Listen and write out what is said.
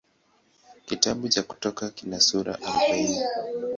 Kitabu cha Kutoka kina sura arobaini.